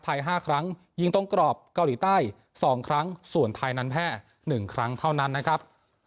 ไทยห้าครั้งยิงต้นกรอบเกาหลีใต้สองครั้งส่วนไทยนั้นแพ่หนึ่งครั้งเท่านั้นนะครับ